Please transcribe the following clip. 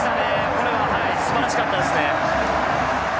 これはすばらしかったですね。